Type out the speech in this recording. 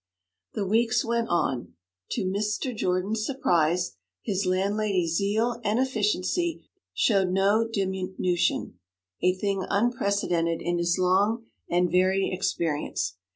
The weeks went on. To Mr. Jordan's surprise, his landlady's zeal and efficiency showed no diminution, a thing unprecedented in his long and varied experience.